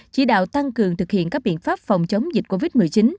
chỉ đạo tăng cường thực hiện các biện pháp phòng chống dịch covid một mươi chín